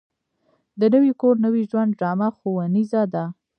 د نوي کور نوي ژوند ډرامه ښوونیزه ده.